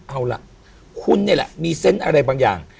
เอาล่ะคุณนี่แหละมีเซนต์อะไรบางอย่าง